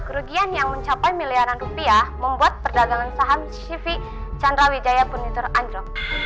kerugian yang mencapai miliaran rupiah membuat perdagangan saham shivi chandra wijaya furniture andro